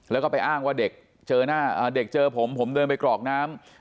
แล้วก็ไปอ้างว่าเด็กเจอผมผมเดินไปกรอกน้ำ